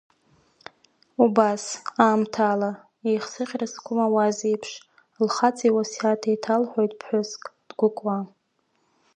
Убас, аамҭала, еихсыӷьра зқәым ауазеиԥш, лхаҵа иуасиаҭ еиҭалҳәоит ԥҳәыск, дгәыкуа.